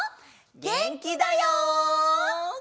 げんきだよ！